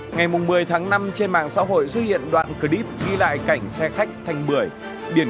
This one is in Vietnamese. ở ngày mùng một mươi tháng năm trên mạng xã hội xuất hiện đoạn clip ghi lại cảnh xe khách thành bưởi biển